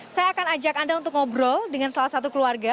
saya akan ajak anda untuk ngobrol dengan salah satu keluarga